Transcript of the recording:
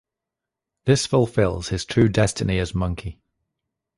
This fulfills his true destiny as Monkey.